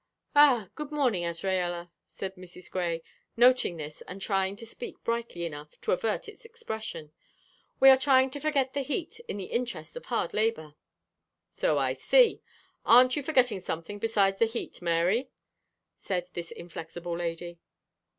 "Ah, good morning, Azraella," said Mrs. Grey, noting this and trying to speak brightly enough to avert its expression. "We are trying to forget the heat in the interest of hard labor." "So I see. Aren't you forgetting something besides the heat, Mary?" said this inflexible lady.